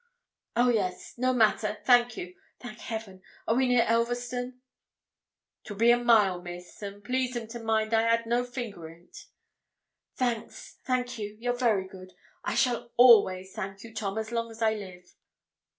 'Oh yes! no matter thank you thank Heaven! Are we near Elverston?' ''Twill be a mile, Miss: and please'm to mind I had no finger in't.' 'Thanks thank you you're very good I shall always thank you, Tom, as long as I live!'